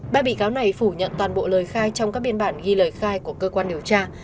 ba bị cáo này phủ nhận toàn bộ lời khai trong các biên bản ghi lời khai của cơ quan điều tra